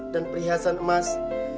dan perhiasan emas